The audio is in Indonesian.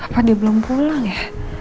apa dia belum pulang ya